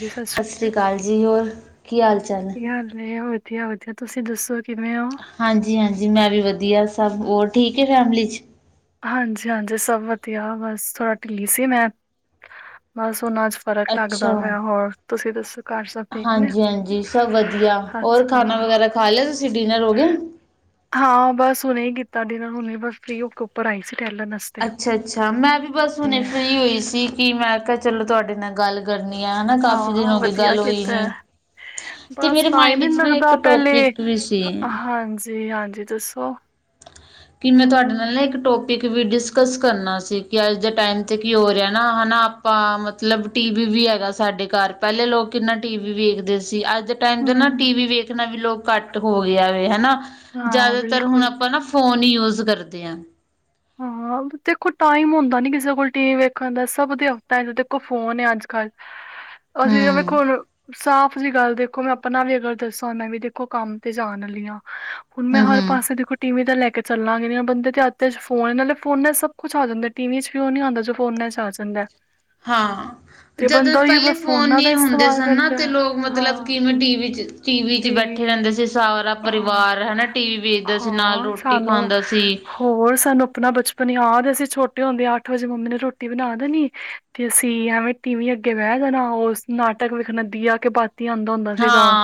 ਜੀ ਸਸ਼ਰੀ ਸਤਿ ਸ਼੍ਰੀ ਅਕਾਲ ਜੀ, ਹੋਰ ਕੀ ਹਾਲ ਚਾਲ? ਹੈ? ਵਧੀਆ ਹਾਲ ਨੇ ਵਧੀਆ ਵਧੀਆ, ਤੁਸੀਂ ਦੱਸੋ ਕਿਵੇਂ ਹੋ? ਹਾਂਜੀ ਹਾਂਜੀ ਮੈਂ ਵੀ ਵਧੀਆ ਸਭ, ਹੋਰ ਠੀਕ ਹੈ ਫੈਮਿਲੀ ਚ'? ਹਾਂਜੀ ਹਾਂਜੀ ਸਭ ਵਧੀਆ ਬਸ, ਥੋੜਾ ਢਿੱਲੀ ਸੀ ਮੈਂ ਬਸ ਹੁਨ ਅਜ ਫਰਕ ਲੱਗਦਾ ਅੱਛਾ ਪਾ, ਹੋਰ ਤੁਸੀਂ ਦੱਸੋ ਕਰ ਸਬ ਹਾਂਜੀ ਹਾਂਜੀ ਸਭ ਵਧੀਆ, ਹੋਰ ਖਾਣਾ ਅੱਛਾ ਵਗੈਰਾ ਖਾ ਲਿਆ ਤੁਸੀਂ ਡਿਨਰ ਹੋ ਗਿਆ? ਹਾਂ ਬਸ ਹੁਨੇ ਹੀ ਕੀਤਾ ਡਿਨਰ, ਹੁਣੇ ਬਸ ਫਰੀ ਹੋ ਕੇ ਉੱਪਰ ਆਈ ਸੀ ਟੈਲਨ ਵਾਸਤੇ ਅੱਛਾ ਅੱਛਾ ਮੈਂ ਵੀ ਬਸ ਹੁਣੇ ਫਰੀ ਹੋਈ ਸੀ, ਕਿ ਮੈਂ ਕਿਹਾ ਚਲੋ ਤੁਹਾਡੇ ਨਾਲ ਗੱਲ ਕਰਨੀ ਆ ਹਨਾ, ਕਾਫੀ ਦਿਨ ਹਾਂ ਹੋ ਗਏ ਵਧੀਆ ਗੱਲ ਹੋਈ ਕੀਤਾ ਹੈ। ਨੀ। ਤੇ ਬਸ ਮੇਰੇ ਟਾਈਮ ਹੀ ਮਾਇੰਡ 'ਚ ਨਹੀਂ ਨਾ ਇੱਕ ਲੱਗਦਾ ਪਹਿਲੇ, ਟੋਪਿਕ ਵੀ ਸੀ ਹਾਂਜੀ ਹਾਂਜੀ ਦੱਸੋ ਕਿ ਮੈਂ ਤੁਹਾਡੇ ਨਾਲ ਨਾ ਇੱਕ ਟੋਪਿਕ ਵੀ ਡਿਸਕਸ ਕਰਨਾ ਸੀ, ਕਿ ਅੱਜ ਦੇ ਟਾਈਮ 'ਤੇ ਕੀ ਹੋ ਰਿਹਾ ਨਾ ਹੈ ਨਾ ਆਪ ਆਪਾਂ ਮਤਲਬ ਟੀ ਵੀ ਵੀ ਹੈਗਾ ਸਾਡੇ ਘਰ, ਪਹਿਲੇ ਲੋਕ ਕਿੰਨਾ ਟੀ ਵੀ ਵੇਖਦੇ ਸੀ ਅੱਜ ਟਾਈਮ ਤੇ ਨਾ ਹੂੰ ਟੀ ਵੀ ਵੇਖਣਾ ਵੀ ਲੋਕ ਘੱਟ ਹੋ ਗਿਆ ਵੇ ਹਨਾ, ਹਾਂ ਜ਼ਿਆਦਾਤਰ ਹੁਣ ਬਿਲਕੁਲ ਆਪਾਂ ਨਾ ਫੋਨ ਹੀ ਯੂਜ ਕਰਦੇ ਆ। ਹਾਂ ਦੇਖੋ ਟਾਈਮ ਹੁੰਦਾ ਨੀ ਕਿਸੇ ਕੋਲ ਟੀ ਵੀ ਵੇਖਣ ਦਾ, ਸਭ ਦੇ ਹੱਥਾ ਚ' ਦੇਖੋ ਫੋਨ ਹੈ ਅੱਜ ਕੱਲ੍ਹ ਅਸੀਂ ਤੇ ਹੂੰ ਵੇਖੋ ਹੁੰਨ ਸਾਫ਼ ਜ ਗੱਲ ਦੇਖੋ, ਮੈਂ ਆਪਣਾ ਵੀ ਅਗਰ ਦੱਸਾਂ ਨਾ ਵੀ ਦੇਖੋ ਮੈਂ ਵੀ ਕੰਮ ਤੇ ਜਾਣ ਲਈ ਆ। ਹੁਣ ਮੈਂ ਹੂੰ ਹਰ ਹੂੰ ਪਾਸੇ ਦੇਖੋ ਟੀ ਵੀ ਤੇ ਲੈ ਕੇ ਚੱਲਾਂਗੇ ਨਹੀਂ, ਬੰਦੇ ਦੇ ਹੱਥ ਚ' ਫੋਨ ਨਾਲੇ ਫੋਨਾਂ ' ਸਭ ਕੁਛ ਆ ਜਾਂਦਾ ਟੀ ਵੀ 'ਚ ਵੀ ਉਹ ਨਹੀਂ ਆਉਦਾ, ਜੋ ਫੋਨਾਂ 'ਚ ਆ ਜਾਂਦਾ। ਹਾਂ। ਤੇ ਜਦੋਂ ਬੰਦਾ ਉਹੀ ਪਹਿਲੇ ਫੋਨ ਫੋਨਾਂ ਨ ਦਾ ਹੁੰਦੇ ਇਸਤੇਮਾਲ ਸਨ ਨਾ, ਕਰਦਾ ਤੇ ਹੈ। ਲੋਕ ਮਤਲਬ ਹਾਂ ਕਿਵੇਂ ਟੀਵੀ ਚ' ਟੀ ਵੀ ਚ' ਟੀਵੀ ਬੈਠੇ ਰਹਿੰਦੇ ਸੀ ਸਾਰਾ ਹਾਂ ਪਰਿਵਾਰ ਹਨਾ ਟੀ ਵੀ ਵੇਖਦਾ ਸੀ, ਨਾਲ ਹਾਂ, ਰੋਟੀ ਸਾਨੂੰ ਖਾਂਦਾ ਸੀ। ਹੋਰ ਸਾਨੂੰ ਆਪਣਾ ਬਚਪਨ ਯਾਦ ਏ, ਅਸੀਂ ਛੋਟੇ ਹੁੰਦੇ ਅੱਠ ਵਜੇ ਮੰਮੀ ਨੇ ਰੋਟੀ ਬਣਾ ਦੇਣੀ ਤੇ ਅਸੀਂ ਐਵੇਂ ਟੀਵੀ ਅੱਗੇ ਬਹਿ ਜਾਣਾ, ਉਸ ਨਾਟਕ ਵੇਖਨਾ ਦੀਆ ਕੇ ਬਾਤੀ ਆਂਦਾ ਹੁੰਦਾ ਸੀ ਤਾਂ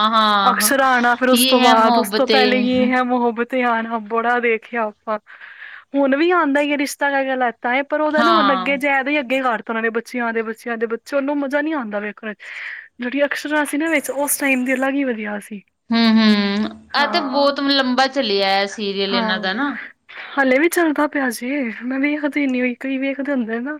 ਅਕਸ਼ਰਾਂ ਆਉਣਾ, ਫਿਰ ਉਸ ਤੋਂ ਬਾਅਦ ਉਸ ਤੋਂ ਪਹਿਲੇ ਹੀ ਯੇ ਹੈ ਮੁਹੱਬਤੇ ਧਿਆਨ ਬੜਾ ਦੇਖਿਆ ਆਪਾਂ, ਹੁਣ ਵੀ ਆਉਂਦਾ ਹੈ ਯੇ ਰਿਸ਼ਤਾ ਕਲਾ ਕਹਿਲਾਤਾ ਹੈ। ਪਰ ਉਹਦਾ ਨਾ ਹੁਣ ਅੱਗੇ ਜਾ ਤੇ ਅੱਗੇ ਕਰ ਤਰ੍ਹਾਂ ਦੇ ਬੱਚਿਆਂ ਆਂਦੇ ਬੱਚਿਆਂ ਦੇਦੇ ਬੱਚੇ ਹੁੰਨ ੳਹ ਮਜ਼ਾ ਨੀ ਆਂਦਾ ਵੇਖਣ ਚ', ਜਿਹੜੀਆਂ ਅਕਸ਼ਰਾਂ ਸੀ ਵੇਖਣ। ਉਸ ਟਾਈਮ ਦੀ ਅਲੱਗ ਹੀ ਵਧੀਆ ਸੀ। ਹਮ ਹਮ, ਆਹ ਤੇ ਹਾਂ, ਬਹੁਤ ਲੰਬਾ ਚਲਿਆ ਸੀਰੀਅਲ ਇਹਨਾਂ ਦਾ ਨਾ। ਹਲੇ ਵੀ ਚੱਲਦਾ ਪਿਆ ਜੇ, ਮੈਂ ਵੇਖਦੀ ਨੀ ਕਈ ਵੇਖਦੇ ਹੁੰਦੇ ਨਾ।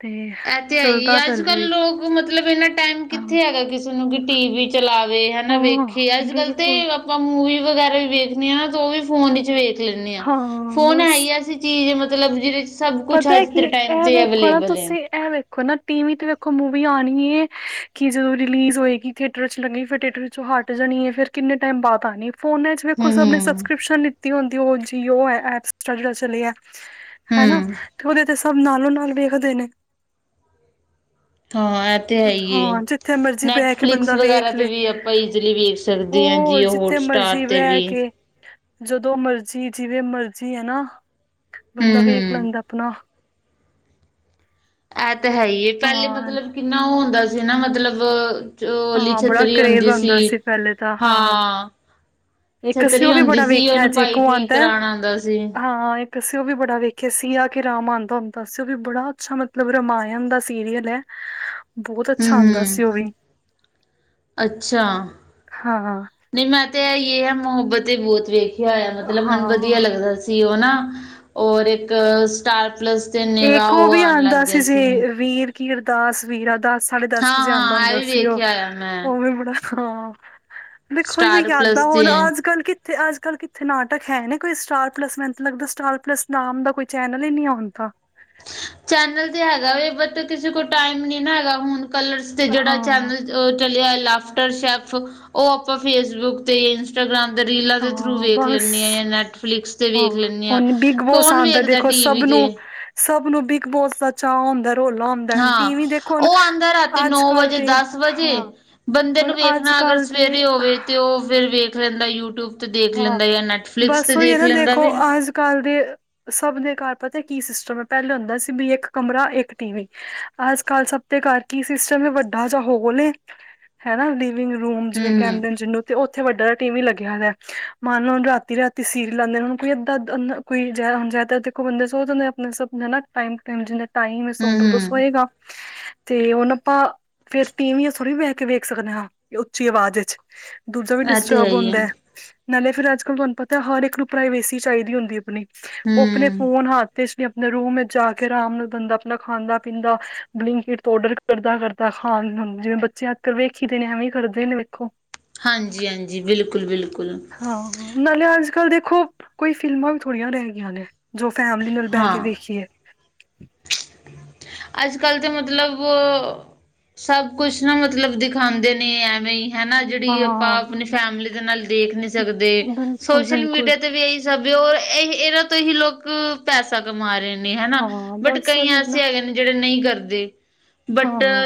ਤੇ ਇ ਤੇ ਹੈ ਈ, ਚੱਲਦਾ ਅੱਜ ਪਹਿਲੇ ਕੱਲ੍ਹ ਵੀ ਲੋਕ ਮਤਲਬ ਇੰਨਾ ਟਾਈਮ ਆਹੋ ਕਿੱਥੇ ਹੈਗਾ ਕਿਸੇ ਨੂੰ ਕਿ ਟੀ ਵੀ ਚਲਾਵੇ ਹਨਾ ਹਾਂ ਵੇਖੇ, ਅੱਜ ਕੱਲ੍ਹ ਤੇ ਬਿਲਕੁਲ ਆਪਾਂ ਮੂਵੀ ਵਗੈਰਾ ਵੀ ਵੇਖਦੇ ਹਾਂ ਨਾ ਤੇ ਉਹ ਵੀ ਫੋਨ ਵਿੱਚ ਵੇਖ ਲੈਂਦੇ ਹਾਂ। ਫੋਨ ਹੈ ਬਸ ਈ ਐਸੀ ਚੀਜ਼ ਮਤਲਬ ਜਿਹਦੇ ਸਭ ਕੁਛ ਪਤਾ ਅੱਜ ਕਿ ਦੇ ਟਾਈਮ ਐਂ ਤੇ ਵੇਖੋ ਨਾ ਅਵੇਲੇਬਲ ਹੈ ਤੁਸੀਂ, ਐਂ ਵੇਖੋ ਨਾ ਟੀ ਵੀ ਤੇ ਵੇਖੋ ਮੂਵੀ ਆਉਣੀ ਏ, ਕਿ ਜਦੋਂ ਰਿਲੀਜ਼ ਹੋਏਗੀ ਥੀਏਟਰ ਚ ਲਗੀ ਫਰ ਥੀਏਟਰ ਚ ਹਟ ਜਾਣੀ ਐਂ ਫੇਰ ਕਿੰਨੇ ਟਾਈਮ ਬਾਅਦ ਆਣੀ। ਫੋਨਾਂ ਚ ਵੇਖੋ ਹੂੰ ਸਭ ਨੇ ਹੂੰ ਸਬਸਕ੍ਰਿਪਸ਼ਨ ਲਿੱਤੀ ਹੁੰਦੀ ਉਹ ਜੀਓ ਹੈ, ਐਪਸ ਚਲੀ ਹੈ। ਹਨਾ, ਹੂੰ ਤੇ ਉਹਦੇ ਤੇ ਸਭ ਨਾਲੋਂ- ਨਾਲ ਵੇਖਦੇ ਨੇ। ਹਾਂ ਇਹ ਤੇ ਹੈ ਹੀ ਹੈ ਹਾਂ ਜਿੱਥੇ ਮਰਜ਼ੀ ਬਹਿ ਕੇ ਨੈਟਫਲਿਕਸ ਬੰਦਾ ਵਗੈਰਾ ਵੇਖ ਤੇ ਲੈ। ਵੀ ਆਪਾਂ ਈਜ਼ਲੀ ਵੇਖ ਸਕਦੇ ਹਾਂ ਹੋ ਰ ਜੀਓ ਜਿੱਥੇ ਹੋਟਸਟਾਰ ਮਰਜ਼ੀ ਤੇ ਬਹਿ ਵੀ ਕੇ। ਜਦੋਂ ਮਰਜ਼ੀ, ਜਿਵੇਂ ਮਰਜ਼ੀ, ਹੈ ਨਾ ਬੰਦਾ ਹਮ ਵੇਖ ਹਮ ਲੈਂਦਾ। ਆਪਣਾ ਇਹ ਤੈ ਹੈ ਹੀ ਐ, ਪਹਿਲੇ ਹਾਂ ਮਤਲਬ ਕਿੰਨਾ ਉਹ ਹੁੰਦਾ ਸੀ ਨਾ ਮਤਲਬ। ਜੋ ਔਲੀ ਹਾਂ ਬੜਾ ਛੱਤਰੀ ਕਰੇਜ਼ ਹੁੰਦੀ ਸੀ, ਆਉਂਦਾ ਪਹਿਲੇ ਤਾਂ ਹਾਂ। ਇੱਕ ਅਸੀਂ ਛੱਤਰੀ ਉਹ ਵੀ ਹੁੰਦੀ ਬੜਾ ਸੀ ਵੇਖਿਆ ਉਹਨੂੰ ਜੇ ਇੱਕ ਭਾਈ ਉਹ ਠੀਕ ਆਉਂਦਾ ਕਰਾਉਣ ਆਉਂਦਾ ਸੀ। ਹਾਂ ਇੱਕ ਅਸੀਂ ਉਹ ਵੀ ਬੜਾ ਵੇਖਿਆ ਸੀ, ਆ ਕੇ ਰਾਮ ਆਉਂਦਾ ਹੁੰਦਾ ਸੀ, ਉਹ ਵੀ ਬੜਾ ਅੱਛਾ ਮਤਲਬ ਰਾਮਾਇਣ ਦਾ ਸੀਰੀਅਲ ਹੈ। ਬੋਤ ਅੱਛਾ ਹਮ ਆਉਂਦਾ ਹਮ ਸੀ ਉਹ ਵੀ, ਅੱਛਾ ਹਾਂ। ਨਹੀਂ ਮੈਂ ਤੇ, ਇ ਹੈ ਮੁਹੱਬਤ ਤੇ ਬਹੁਤ ਵੇਖਿਆ ਹੋਇਆ ਮਤਲਬ ਮੈਨੂੰ ਵਧੀਆ ਹਾਂ ਲੱਗਦਾ ਸੀ। ਸੀ ਉਹ ਨਾ ਔਰ ਇੱਕ ਸਟਾਰ ਪਲੱਸ ਤੇ ਨਿਗਾਹ ਇੱਕ ਉਹ ਵੀ ਆਉਣ ਲੱਗ ਆਉਂਦਾ ਸੀ ਗਿਆ ਜੇ, ਵੀਰ ਕੀਰਦਾਸ ਵੀਰਾਦਾਸ। ਸਾਢੇ ਦਸ ਵਜੇ ਆਉਂਦਾ ਹਾਂ-ਹਾਂ, ਹੁੰਦਾ ਇਹ ਵੀ ਸੀ ਉਹ, ਵੇਖਿਆ ਆ ਮੈਂ ਉਹ ਵੀ ਬੜਾ ਹਾ। ਦੇਖੋ ਓਹੀ ਔ ਸਟਾਰ ਯਾਦਾਂ ਪਲੱਸ ਤੇ ਹੁਣ ਐ। ਅੱਜ ਕੱਲ ਕਿ- ਤੇ ਅੱਜ ਕੱਲ ਕਿੱਥੇ ਨਾਟਕ ਹੈ ਨੇ ਕੋਈ ਸਟਾਰ ਪਲੱਸ ਮੈ ਤ ਲੱਗਦਾ ਸਟਾਰ ਪਲੱਸ ਨਾਮ ਦਾ ਕੋਈ ਚੈਨਲ ਹੀ ਨਹੀਂ ਹੁਣ ਤਾਂ। ਚੈਨਲ ਤੇ ਹੈਗਾ ਵੈ, ਬਟ ਕਿਸੇ ਕੋਲ ਟਾਈਮ ਨੀ ਨਾ ਹੈਗਾ, ਹੁਣ ਕਲਰ ਤੇ ਜਿਹੜਾ ਹਾਂ ਚੈਨਲ ਉਹ ਚਲਿਆ ਲਾਫਟਰ ਸ਼ੈਫ ਉਹ ਆਪਾਂ ਫੇਸਬੁੱਕ ਤੇ ਈ- ਇੰਸਟਾਗ੍ਰਾਮ ਦੇ ਰੀਲਾਂ ਦੇ ਥਰੂ ਹਾਂ ਵੇਖ ਬਸ ਲੈਂਦੇ ਆ ਜਾਂ ਨੈਟਫਲਿਕਸ ਤੇ ਹਾਂ ਵੇਖ ਲੈਂਦੇ ਆ ਹੁਣ ਬਿਗ ਬੋਸ ਕੌਣ ਆਉਂਦਾ ਵੇਖਦਾ ਦੇਖੋ ਟੀਵੀ ਸਭ ਤੇ ਨੂੰ- ਸਭ ਨੂੰ ਬਿਗ ਬੋਸ ਦਾ ਚਾਅ ਹੁੰਦਾ ਏ ਰੌਲਾ ਹੁੰਦਾ। ਹਾਂ ਟੀਵੀ ਦੇਖੋ ਹੁਣ ਉਹ ਆਉਂਦਾ ਰਾਤੀ ਨੌ ਅੱਜ ਕੱਲ੍ਹ ਵਜੇ, ਦੇ ਦਸ ਵਜੇ ਹਾਂ ਬੰਦੇ ਹੁਣ ਨੂੰ ਅੱਜ ਵੇਖਣਾ ਅਗਰ ਕੱਲ੍ਹ ਦੇ ਸਵੇਰੇ ਹੋਵੇ ਤੇ ਉਹ ਫੇਰ ਵੇਖ ਲੈਂਦਾ ਯੂਟਿਊਬ। ਤੇ ਦੇਖ ਹਾਂ ਲੈਂਦਾ ਜਾਂ ਨੈਟਫਲਿਕਸ ਤੇ ਬਸ ਉਹੀ ਹੈ ਦੇਖ ਨਾ ਲੈਂਦਾ ਦੇਖੋ ਵੇ। ਅੱਜ ਕੱਲ ਦੇ ਸਭ ਦੇ ਘਰ ਪਤਾ ਕੀ ਸਿਸਟਮ ਹੈ ਪਹਿਲੇ ਹੁੰਦਾ ਸੀ ਵੀ ਇੱਕ ਕਮਰਾ, ਇੱਕ ਟੀ ਵੀ। ਅੱਜ ਕੱਲ ਸਭ ਦੇ ਘਰ ਕੀ ਸਿਸਟਮ ਹੈ ਵੱਡਾ ਜਾਂ ਹੋਲ ਏ ਹਨਾ। ਡਰਾਇੰਗ ਰੂਮ ਜਿਵੇਂ ਹੂੰ-ਹੂੰ, ਕਹਿੰਦੇ ਜਿਨੂੰ ਤੇ ਉੱਥੇ ਵੱਡਾ ਟੀ ਵੀ ਲੱਗੀਆ ਹੋਈਆ ਹੈ। ਮਨ ਲੋ ਹੁਣ ਰਾਤੀ- ਰਾਤੀ ਸੀਰੀਯਲ ਆਉਂਦੇ ਨੇ ਹੁਣ ਕੋਈ ਇੱਦਾਂ ਕੋਈ ਹੁਣ ਜਦਾ ਦੇਖੋ ਬੰਦਾ ਹੁਣ ਸੋ ਜਾਂਦੇ ਆਪਣੇ ਸ ਨਾ ਟਾਈਮ ਟ ਟਮ ਜਿਨੇ ਟਾਈਮ ਹੈ ਤੋ ਸੌਦਾ ਤਾਂ ਹੂੰ-ਹੂੰ। ਸੋਏਗਾ ਤੇ ਹੁਣ ਆਪਾਂ ਫੇਰ ਤਿਵੀਂਆ ਥੋੜੀ ਬਹਿ ਕੇ ਵੇਖ ਸਕਦੇ ਹਾਂ ਉੱਚੀ ਆਵਾਜ਼ ਵਿੱਚ। ਦੂਜਾ ਵੀ ਇਹ ਤੇ ਡਿਸਟਰਬ ਹੀ ਹੁੰਦਾ ਹੈ, ਨਾਲੇ ਫੇਰ ਅੱਜ ਕੱਲ ਤੁਹਾਨੂੰ ਪਤਾ ਹਰ ਇੱਕ ਨੂੰ ਪ੍ਰਾਈਵੇਸੀ ਚਾਹੀਦੀ ਹੁੰਦੀ ਆਪਣੀ। ਉਹ ਆਪਣੇ ਹਮ ਫੋਨ ਹਾਥ ਤੇ ਚ ਵੀ ਆਪਣੇ ਰੂਮ ਵਿੱਚ ਜਾ ਕੇ ਆਰਾਮ ਨਾਲ ਬੰਦਾ ਆਪਣਾ ਖਾਂਦਾ- ਪੀਂਦਾ ਬਲਿੰਕਟ ਤੋਂ ਔਡਰ ਕਰਦਾ। ਤਾਂ ਖਾਣ ਹ ਜਿਵੇਂ ਬੱਚੇ ਅੱਜਕਲ ਵੇਖੀ ਦੇ ਨੇ ਐਵੇਂ ਕਰਦੇ ਨੇ ਵੇਖੋ। ਹਾਂਜੀ- ਹਾਂਜੀ ਬਿਲਕੁਲ- ਬਿਲਕੁਲ। ਹਾਂ ਨਾਲੇ ਅੱਜ ਕੱਲ ਦੇਖੋ ਕੋਈ ਫਿਲਮਾਂ ਵੀ ਥੋੜੀਆਂ ਰਹਿ ਗਈਆਂ ਨੇ। ਜੋ ਫੈਮਿਲੀ ਨਾਲ ਬਹਿ ਕੇ ਹਾਂ ਵੇਖੀਏ। ਅੱਜ ਕੱਲ ਤਾਂ ਮਤਲਬ ਸਭ ਕੁਛ ਨਾ ਮਤਲਬ ਦਿਖਾਉਂਦੇ ਨੇ ਐਵੇਂ ਹੀ। ਹਨਾ ਜਿਹੜੀ ਆਪਾਂ ਹਾਂ ਆਪਣੀ ਫੈਮਲੀ ਦੇ ਨਾਲ ਦੇਖ ਨੀ ਸਕਦੇ, ਬਿਲਕੁਲ ਸੋਸ਼ਲ ਬਿਲਕੁਲ ਮੀਡੀਆ ਤੇ ਵੀ ਇਹੀ ਤੇ ਹੋਰ ਇ ਇਹਨਾਂ ਤੋਂ ਹੀ ਲੋਕ ਪੈਸਾ ਕਮਾ ਰਹੇ ਨੇ ਹਨਾ। ਹਾਂ ਬਟ ਬਸ ਕਈ ਉਹੀ ਨਾ ਐਸੇ ਹੈਗੇ ਨੇ ਜਿਹੜੇ ਨਹੀਂ ਕਰਦੇ ਬਟ ਹਾਂ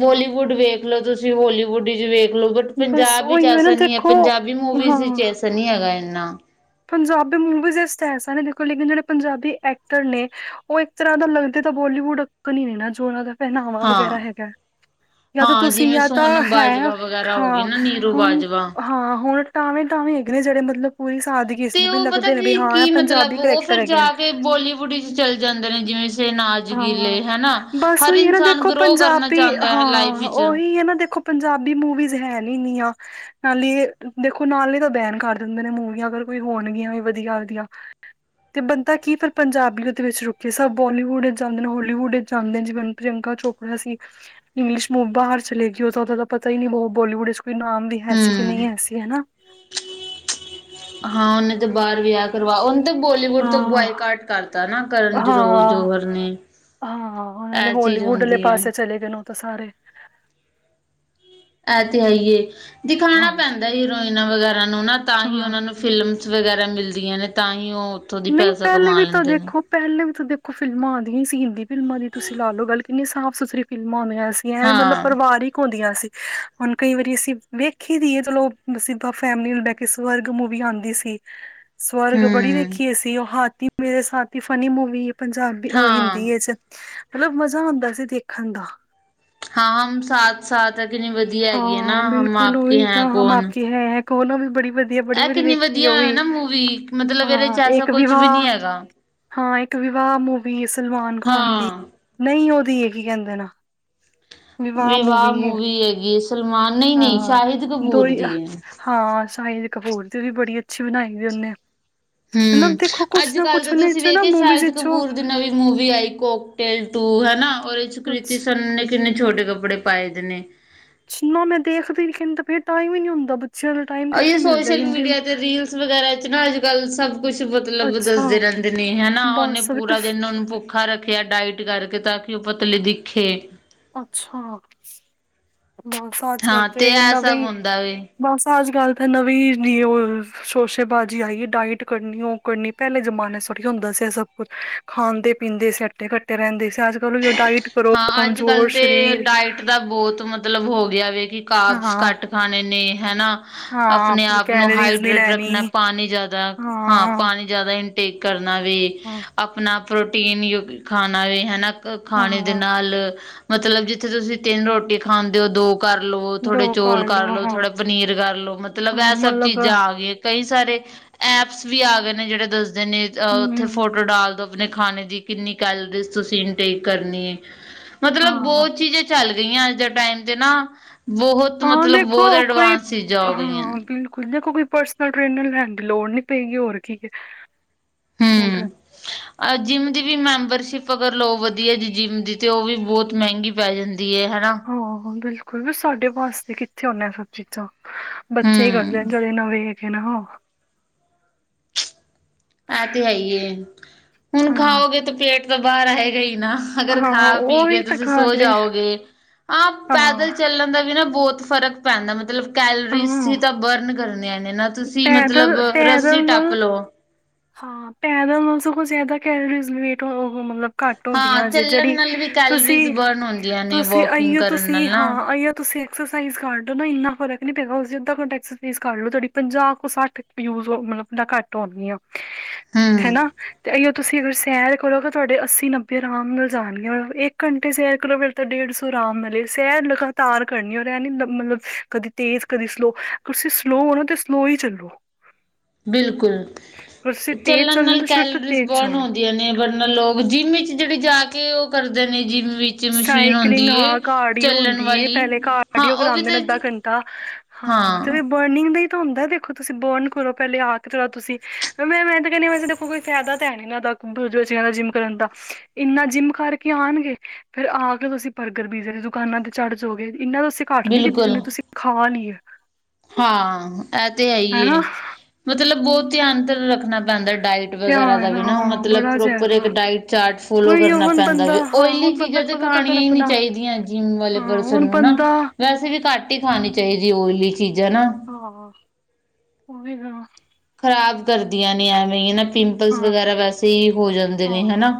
ਬੋਲੀਵੁੱਡ ਵੇਖਲੋ ਤੁਸੀਂ ਹੋਲੀਵੁੱਡ ਚ ਵੇਖ ਲੋ। ਬਸ ਪੰਜਾਬ ਵਿੱਚ ਉਹੀ ਨਾ ਐਸਾ ਨਹੀਂ ਹੈ, ਦੇਖੋ ਪੰਜਾਬੀ ਮੂਵੀਜ਼ ਵਿੱਚ ਹਾਂ ਐਸਾ ਨੀ ਹੈਗਾ ਇੰਨਾ। ਪੰਜਾਬੀ ਮੂਵੀਜ਼ ਏਸ [unintelligible] ਐਸਾ ਨੇ ਦੇਖੋ ਲੇਕਿਨ ਜੇੜੇ ਪੰਜਾਬੀ ਐਕਟਰ ਨੇ ਓ ਤਰ੍ਹਾਂ ਦਾ ਲੱਗਦੇ ਤਾਂ ਬੋਲੀਵੁੱਡ ਅੱਕਲ ਈ ਨੀ ਨਾ ਜੋ ਓਨਾਂ ਦਾ ਪਹਿਨਾਵਾਾਂ ਵਗੈਰਾ ਹਾਂ ਹੈਗਾ। ਯਾ ਤਾ ਹਾਂ ਤੁਸੀ ਜਿਵੇਂ ਯਾ ਤਾ ਸੋਨਮ ਹੈ ਬਾਜਵਾ ਵਗੈਰਾ ਹੋ ਗਈ ਹਾਂ ਨਾ ਨੀਰੂ ਹੁਣ ਬਾਜਵਾ ਹਾਂ ਹੁਣ ਟਾਵੇਂ ਟਾਵੇਂ ਹੈਗੇ ਜੇੜੇ ਮਤਲਬ ਕੋਈ ਸਾਲ ਤੇ ਓ ਪਤਾ ਕੀ ਕੀ ਮਤਲਬ ਓ ਕਰੈਕਟਰ ਫਿਰ ਹੈਗੇ ਨੇ ਜਾ ਕੇ ਬੋਲੀਵੁੱਡ ਇਚ ਚਲ ਜਾਂਦੇ ਨੇ ਜਿਵੇਂ ਸੇ ਨਾਲ। ਹਾਂ, ਬਸ ਉਈ ਏ ਨਾ ਦੇਖੋ ਗਰੋ ਕਰਨਾ ਪੰਜਾਬੀ ਚਾਹੁੰਦਾ ਹੈ ਲਾਈਫ ਹਾਂ ਵਿੱਚ ਉਹੀ ਹੈ ਨਾ ਦੇਖੋ ਪੰਜਾਬੀ ਮੂਵੀਜ਼ ਹੈ ਨੀ ਇਨੀਆ ਨਾਲੇ ਦੇਖੋ ਨਾਲੇ ਤਾਂ ਬੈਨ ਕਰ ਦਿੰਦੇ ਨੇ ਮੂਵੀਆਂ ਅਗਰ ਕੋਈ ਹੋਣਗੀਆਂ ਵੀ ਵਧੀਆ ਵਧੀਆ ਤੇ ਬੰਦਾ ਕੀ ਫੇਰ ਪੰਜਾਬੀ ਓਦੇ ਵਿੱਚ ਰੁਕੇੇ ਸਭ ਬੋਲੀਵੁੱਡ ਵਿੱਚ ਜਾਂਦੇ ਨੇ ਹੋਲੀਵੁੱਡ ਵਿੱਚ ਜਾਂਦੇ ਨੇ ਜਿਵੇਂ ਪ੍ਰਿਅੰਕਾ ਚੌ ਅਸੀ ਇੰਗਲਿਸ਼ ਮੂਵੀ ਬਾਹਰ ਚਲੇ ਗੀ ਓਦਾ ਤਾਂ ਪਤਾ ਈ ਨੀ ਕੀ ਓ ਬੋਲੀਵੁੱਡ ਚ ਕੋਈ ਨਾਮ ਵੀ ਹੈ ਸੀ ਕਿ ਹੂੰ ਨਈ ਹੈ ਸੀ ਹਨਾ ਹਾਂ ਓਨੇ ਤੇ ਬਾਰ ਵਿਆਅ ਕਰਵਾ ਓ ਬੋਲੀਵੁੱਡ ਤੋ ਹਾਂ ਬੋਏਕਾਟ ਕਰਤਾ ਨਾ ਕਰਨ ਜਰੋ ਹਾਂ ਜੋਹਰ ਨੇ ਹਾਂ ਉਹਨਾਂ ਨੇ ਐ ਚੀਜ਼ ਹੋਲੀਵੁੱਡ ਵਾਲੇ ਹੁੰਦੀ ਹੈ। ਪਾਸੇ ਚਲੇ ਗਏ ਨੇ ਉਹ ਤਾਂ ਸਾਰੇ ਐ ਤੇ ਹੈ ਈ ਏ ਹਾਂ ਦਿਖਾਉਣਾ ਪੈਂਦਾ ਹੀਰੋਇਨਾਂ ਵਗੈਰਾ ਨੂੰ ਨਾ ਤਾਂ ਹੀ ਹਾਂ ਓਨਾਂ ਨੂੰ ਫਿਲਮਸ ਵਗੈਰਾ ਮਿਲਦੀਆਂ ਨੇ ਤਾਂ ਹੀ ਓ ਓਥੋਂ ਦੀ ਪੈਸਾ ਕਮਾ ਲੈਂਦੇ ਨੇ ਪੈਲੇ ਵੀ ਤੋ ਦੇਖੋ ਫਿਲਮਾਂ ਆਂਦੀਆਂ ਈ ਸੀ ਹਿੰਦੀ ਫਿਲਮਾਂ ਦੀ ਤੁਸੀ ਲਾ ਲੋ ਗੱਲ ਕਿੰਨੀ ਸਾਫ਼ ਸੁਥਰੀ ਫਿਲਮਾਂਂ ਨੇ ਐਸ ਵੀ ਐ ਮਤਲਬ ਹਾਂ ਪਰਿਵਾਰਿਕ ਹੁੰਦੀਆਂ ਸੀ। ਹੁਣ ਕਈ ਵਾਰੀ ਅਸੀਂ ਵੇਖੀ ਦੀਏ ਚਲੋ ਸਿੱਧਾ ਫੈਮਲੀ ਨਾਲ ਬੈ ਕੇ ਸਵਰਗ ਮੂਵੀ ਆਂਦੀ ਸੀ। [inaudible] ਸਵਰਗ ਬੜੀ ਹੂੰ ਵੇਖੀ ਅਸੀ ਓ ਹਾਥੀ ਮੇਰੇ ਸਾਥੀ ਫਨੀ ਮੂਵੀ ਏ ਪੰਜਾਬੀ ਓ ਹਾਂ ਹਿੰਦੀ ਏਚ ਮਤਲਬ ਮਜ਼ਾ ਆਂਦਾ ਸੀ ਦੇਖਣ ਦਾ। ਹਾਂ, ਹਮ ਸਾਥ ਸਾਥ ਹੈ ਕਿਨੀ ਵਧੀਆ ਹੈਗੀ ਐ ਨਾ, ਹਾਂ ਹਮ ਆਪ ਕੇ ਹੈ ਕੌਣ? ਕੋਲੋ ਵੀ ਬੜੀ ਵਧ ਬੜੀ ਇਹ ਵਾਰੀ ਕਿੰਨੀ ਵੇਖੀ ਵਧੀਆ ਓ ਵੀ ਹੈ ਨਾ ਮੂਵੀ ਮਤਲਬ ਇਹਦੇ ਚ ਹਾਂ, ਐਸਾ ਏਕ ਕੁਛ ਵੀ ਨਹੀਂ ਵਿਵਾਾਹ ਹੈਗਾ ਹਾਂ, ਏਕ ਵਿਵਾਹ ਮੂਵੀ ਸਲਮਾਨ ਖਾਨ ਦੀ, ਹਾਂ ਨਈ ਓਦੀ ਏ ਕੀ ਕੈਂਦੇ ਨੇ? ਵਿਵਾਹ ਮੂਵੀ ਹੈਗੀ ਏ ਸਲਮਾਨ ਨਹੀਂ, ਨਹੀਂ ਹਾਂ ਸ਼ਾਹਿਦ ਦੋ ਕਪੂਰ ਹੀ ਦੀ ਐ। ਹਾਂ, ਸਾ਼ਹਿਦ ਕਪੂਰ ਦੀ ਓਵੀ ਬੜੀ ਅੱਛੀ, ਬਣਾਈ ਹੋਈ ਓਨੇ ਮਲਬ ਹੂੰ ਦੇਖੋ, ਕੁਛ ਅੱਜ ਨਾ ਕੱਲ ਕੁਛ ਤਾਂ ਓਨੇ ਤੁਸੀਂ ਚੋ ਨਾ ਵੇਖਿਆ ਮੁਵੀਜ਼ ਸ਼ਾਹਿਦ ਇਚੋਂ ਕਪੂਰ ਦੀ ਨਵੀਂ ਮੂਵੀ ਆਈ, ਕੋਕਟੇਲ ਟੂ ਹਨਾ, ਔਰ ਏ ਚ ਕੁਛ ਕ੍ਰਿਤੀ ਸਰ ਨੇ ਕਿੰਨੇ ਛੋਟੇ ਕੱਪੜੇ ਪਾਏ ਦੀ ਨੇ। ਜਿੰਨਾ ਮੈਂ ਦੇਖਦੀ ਨੀ ਕਹਿੰ ਤਾਂ, ਫਿਰ ਟਾਈਮ ਈ ਨੀ ਹੁੰਦਾ ਬੱਚਿਆਂ ਟਾਈਮ ਅਈ ਕਿੱਥੇ ਮਿਲਦਾ ਸੋਸ਼ਲ ਹਿੰਦੀ ਮੀਡੀਆ ਨੂੰ ਤੇ ਰੀਲ ਰੀਲਸ ਵਗੈਰਾ ਚ ਨਾ ਅੱਜ, ਕੱਲ ਸਭ ਕੁਛ ਮਤਲਬ ਅੱਛਾ ਦੱਸਦੇ ਰੈਂਦੇ ਨੇ ਹੈਨਾ, ਓਨੇ ਬਸ ਬਟ ਪੂਰਾ ਦਿਨ ਓਨੂੰ ਭੁ ਖਾ ਰੱਖਿਆ ਡਾਇਟ ਕਰਕੇ ਤਾਂ ਕਿ ਓ ਪਤਲੀ ਦਿਖੇ। ਅੱਛਾ, ਬਸ ਅੱਜ ਕੱਲ ਹਾਂ ਤੇ ਇਹ ਨਵੇ ਸਭ ਈ ਹੁੰਦਾ ਵੇ ਬਸ, ਅੱਜ ਕੱਲ ਤੇ ਨਵੀਂ ਜੀ ਓ ਸ਼ੋਸ਼ੇਬਾਜ਼ੀ ਆਈ ਏ ਡਾਇਟ ਕਰਨੀ, ਓ ਕਰਨੀ ਪੈਲੇ ਜਮਾਨੇ ਚ ਥੋੜੀ ਹੁੰਦਾ ਸੀ ਐ ਸਭ ਕੁਛ ਖਾਂਦੇ, ਪੀਂਦੇ ਸੀ ਹੱਟੇ ਕੱਟੇ ਰੈਂਦੇ ਸੀ। ਅੱਜ ਕੱਲ੍ਹ ਓਇਓ ਡਾਇਟ ਕਰੋ ਹਾਂ, ਅੱਜ ਕੱਲ੍ਹ ਕਮਜ਼ੋਰ ਤੇ ਸਰੀਰ ਡਾਈਟ ਦਾ ਬੌਤ ਮਤਲਬ ਹੋ ਗਿਆ ਵੇ ਕਿ ਕਾਰਬਸ ਹਾਂ ਘੱਟ ਖਾਣੇ ਨੇ ਹੈਨਾ। ਹਾਂ ਆਪਣੇ ਆਪ ਨੂੰ ਕੈਲਰੀਜ਼ ਨੀ ਹਾਈਡਰੇਟ ਲੈਣੀ ਰੱਖਣਾ ਏ ਪਾਣੀ ਜਾਦਾ ਹਾਂ, ਪਾਣੀ ਜਾਦਾ ਇਨਟੇਕ ਕਰਨਾ ਵੇ। ਹਾਂ! ਆਪਣਾ ਪ੍ਰੋਟੀਨ ਯੁਕ ਖਾਣਾ ਵੇ ਹਨਾ ਖਾਣੇ ਦੇ ਹਾਂ ਨਾਲ ਮਤਲਬ ਜਿੱਥੇ ਤੁਸੀਂ, ਤਿੰਨ ਰੋਟੀਆਂ ਖਾਂਦੇ ਹੋ, ਦੋ ਕਰ ਲੋ, ਥੋੜੇ ਚੌਲ ਕਰ ਲੋ, ਥੋੜੇ ਪਨੀਰ ਕਰ ਲੋ, ਮਤਲਬ ਹਾਂ ਇਹ ਸਭ ਮਤਲਬ ਚੀਜ਼ਾਂ ਆ ਗਈ। ਕਈ ਸਾਰੇ ਐਪਸ ਵੀ ਆ ਗਏ ਨੇ। ਜਿਹੜੇ ਦੱਸਦੇ ਨੇ, ਅ ਉੱਥੇ ਹਮ ਫੋਟੋ ਡਾਲ ਦੋ। ਆਪਣੇ ਖਾਣੇ ਦੀ ਕਿੰਨੀ ਕੈਲਰੀਜ਼ ਤੁਸੀਂ, ਇਨਟੇਕ ਕਰਨੀ ਹੈ? ਮਤਲਬ ਹਾਂ ਬਹੁਤ ਚੀਜ਼ਾਂ ਚੱਲ ਰਆਂ ਅੱਜ ਦੇ ਟਾਈਮ ਤੇ ਨਾ, ਬਹੁਤ ਹਾਂ, ਮਤਲਬ ਦੇਖੋ ਬਹੁਤ ਕੋਈ, ਐਡਵਾਂਸ ਚੀਜ਼ਾਂ ਹੋ ਗਈਆਂ ਹਾ ਨੇ ਬਿਲਕੁਲ, ਦੇਖੋ ਕੋਈ ਪਰਸ ਨਲ ਟ੍ਰੇਨਰ ਲੈਣ ਦੀ ਲੋੜ ਨੀ ਪਏਗੀ। ਹੋਰ ਕੀ, ਮੈਂ ਹੂੰ ਅ [inaudible] ਜਿੰਮ ਦੀ ਵੀ ਮੈਂਬਰਸ਼ਿਪ ਅਗਰ ਲਓ, ਵਧੀਆ ਜੀ, ਜਿੰਮ ਦੀ ਤੇ, ਉਹ ਵੀ ਬਹੁਤ ਮਹਿੰਗੀ ਪੈ ਜਾਂਦੀ ਹੈ ਹਨਾ? ਹਾਂ, ਬਿਲਕੁਲ ਵੀ, ਸਾਡੇ ਵਾਸਤੇ ਕਿੱਥੇ ਹੋਣ ਇਹ ਸਭ ਚੀਜ਼ਾਂ? ਬੱਚੇ ਹੀ ਕਰਦੇ ਹੂੰ ਜਿਹੜੇ, ਨਵੇਂ ਹੈਗੇ। ਨਾ ਉਹ ਐ ਤੇ ਹੈ ਹੀਏ, ਹੁਣ ਹਾਂ ਖਾਓਗੇ ਤੇ, ਪੇਟ ਤਾਂ ਬਾਹਰ ਆਇਗਾ ਈ ਨਾ। ਅਗਰ ਹਾਂ ਖਾ- ਪੀ ਕੇ ਉਹੀ ਤਾਂ ਤੁਸੀਂ ਸੋ ਗੱਲ ਏ ਜਾਓਗੇ, ਹਾਂ, ਪੈਦਲ ਚੱਲਣ ਦਾ ਵੀ ਨਾ, ਬਹੁਤ ਫ਼ਰਕ ਪੈਂਦਾ ਮਤਲਬ ਕੈਲਰੀਜ਼ ਹੀ ਹਾਂ ਤਾਂ, ਬਰਨ ਕਰਨੀਆਂ ਨੇ ਨਾ। ਤੁਸੀਂ, ਮਤਲਬ, ਪੈਦਲ ਰੱਸੀ ਪੈਦਲ ਟੱਪ ਨਾਲ ਲਓ। ਹਾਂ, ਪੈਦਲ ਨਾਲ ਸਗੋਂ ਜ਼ਿਆਦਾ ਕੈਲਰੀੇਜ਼ ਉਹ, ਮਤਲਬ ਘੱਟ ਹਾਂ ਹੁੰਦੀਆਂ ਜੇ ਚੱਲਣ ਜਿਹੜੀ, ਨਾਲ ਵੀ ਕੈਲਰੀਜ਼ ਤੁਸੀ ਬਰਨ ਹੁੰਦੀਆਂ ਨੇ ਤੁਸੀਂ ਵੋਕਿੰਗ ਅਈਓ, ਕਰਨ ਤੁਸੀਂ ਨਾਲ ਨਾ ਹਾਂ, ਆਈਓ ਤੁਸੀਂ। ਐਕਸਰਸਾਈਜ਼ ਕਰ ਲਓ ਨਾ, ਇੰਨਾ ਫਰਕ ਨੀ ਪੈਗਾ। ੳਹੀੳਂ ਅੱਧਾ ਘੰਟਾ ਓਕਸਜ਼ ਕਰ ਲੋ ਤੁਹਾਡੀ ਪੰਜਾਹ ਕੋ ਸੱਠ ਯੂਜ ਮਤਲਬ, ਘੱਟ ਹੋਣਗੀਆਂ ਹੂੰ ਹਨਾ। ਤੇ ਅ ਤੁਸੀਂ ਅਗਰ ਸੈਰ ਕਰੋਗੇ ਤਾਂ, ਤੁਹਾਡੇ ਅੱਸੀ, ਨੱਬੇ ਆਰਾਮ ਨਾਲ ਜਾਣਗੇ। ਮਤਲਬ ਇੱਕ ਘੰਟੇ ਸੈਰ ਕਰੋ ਤਾਂ, ਡੇਢ ਸੌ ਆਰਾਮ ਲੇ ਸੈਰ ਲਗਾਤਾਰ ਕਰਨੀ। ਇਹ ਨ ਮਤਲਬ, ਕਦੀ ਤੇਜ਼, ਕਦੀ ਸਲੋ। ਤੁਸੀਂ ਸਲੋਅ ਹੋ ਨਾ ਤਾਂ, ਸਲੋ ਹੀ ਚੱਲੋ। ਬਿਲਕੁਲ, ਅਗਰ ਤੁਸੀਂ ਤੇਜ਼ ਚੱਲਣ ਚੱਲਣਾ ਨਾਲ ਤਾਂ ਸ਼ੁਰੂ ਤੋਂ ਕੈਲਰੀਜ਼ ਤੇਜ਼ ਬਰਨ ਚੱਲੋ ਹੁੰਦੀ ਆਂ ਨੇ ਵਰਨਾ ਲੋਕ ਜਿੰਮ ਵਿੱਚ ਜਿਹੜੇ, ਜਾ ਕੇ, ਉਹ ਕਰਦੇ ਨੇ। ਜਿੰਮ ਵਿੱਚ ਮਸ਼ੀਨ ਸਾਈਕਲਿੰਗ ਹੁੰਦੀ ਏ ਹਾਂ, ਕਾਰਡੀਓ ਚੱਲਣ ਹੁੰਦੀ। ਵਾਲੀ ਪਹਿਲੇ ਹਾਂ ਕਾਰਡੀਓ ਉਹ ਵੀ ਕਰਾਂਦੇ ਨੇ ਅੱਧਾ ਤੇ ਘੰਟਾ ਹਾਂ ਤੇ [unintelligible] ਬਰਨਿੰਗ ਦਾ ਹੀ ਤਾਂ ਹੁੰਦਾ ਦੇਖੋ, ਤੁਸੀਂ ਬਰਨ ਕਰੋ ਪਹਿਲੇ ਆ ਕੇਓ ਤੁਸੀਂ ਮੈਂ ਮੈਂ ਤਾਂ ਕਹਿੰਦੀ ਆ ਕੋਈ ਫਾਇਦਾ ਤਾਂ ਹੈ ਨਹੀਂ ਇਹਨਾਂ ਦਾ ਬੱਚਿਆਂ ਦਾ ਜਿੰਮ ਕਰਨ ਦਾ, ਇੰਨਾ ਜਿੰਮ ਕਰਕੇ ਆਉਣਗੇ। ਫੇਰ ਆ ਕੇ ਤੁਸੀਂ ਬਰਗਰ ਪੀਜੇ ਦੁਕਾਨਾਂ ਤੇ ਚੜ੍ਹ ਜਾਓਗੇ। ਇੰਨਾ ਤੁਸੀਂ ਘਟ ਨੀ ਕੀਤੀ ਬਿਲਕੁਲ ਜਿਨੀ ਤੁਸੀਂ, ਖਾ ਲੀ ਏ। ਹਾਂ, ਇਹ ਤੇ ਹੈ ਹੀ ਹੈ, ਮਤਲਬ ਬਹੁਤ ਧਿਆਨ ਤੇ ਰੱਖਣਾ। ਪੈਂਦਾ ਡਾਇਟ ਵਗੈਰਾ ਦਾ ਧਿਆਨ ਵੀ ਨਾ, ਹਾਂ ਮਤਲਬ ਬੜਾ ਪ੍ਰੋਪਰ ਇੱਕ ਜਾਦਾ ਡਾਇਟ ਚਾਰਟ ਫੋਲੋ ਉਹੀ ਕਰਨਾ ਹੁਣ ਪੈਂਦਾ ਬੰਦਾ ਵਾ। ਹਾਂ ਓਇਲੀ ਹੁਣ ਬੰਦਾ ਚੀਜ਼ਾਂ ਤੇ ਕਦੋਂ ਤੱਕ ਖਾਣੀਆਂ ਹੀ ਨਹੀਂ ਆਪਣਾ ਚਾਹੀਦੀਆ ਜਿਮ ਵਾਲੇ ਹਾਂ ਪਰਸਨ ਹੁਣ ਨੂੰ ਨਾ, ਬੰਦਾ ਵੈਸੇ ਵੀ ਘੱਟ ਘਟ ਹੀ ਖਾਣੀ ਚਾਹੀਦੀ ਓਈਲੀ ਚੀਜ਼ਾਂ ਨਾ। ਹ ਉਹ ਵੀ ਨਾ ਖ਼ਰਾਬ ਕਰਦੀਆਂ ਨੇ ਐਵੇਂ ਨਾ, ਪਿੰਪਲਸ ਹਾਂ ਵਗੈਰਾ ਵੈਸੇ ਹੀ ਹੋ ਜਾਂਦੇ ਨੇ ਹਾਂ ਹਨਾ।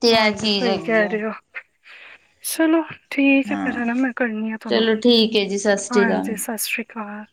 ਤੇ ਇਹ ਹਾਂਜੀ ਚੀਜ਼ ਸਹੀ ਹੈਗੀ ਕਹਿ ਹੈ ਰਹੇ ਹੋ, ਚਲੋ। ਠੀਕ ਹੈ, ਹਾਂ ਫਿਰ ਹੈ ਨਾ ਮੈਂ ਕਰਨੀ ਆ ਤੁਹਾਨੂੰ, ਚਲੋ ਠੀਕ ਹੈ ਜੀ ਸਤਿ ਸ੍ਰੀ ਅਕਾਲ ਹਾਂਜੀ ਸਤਿ ਸ਼੍ਰੀ ਅਕਾਲ।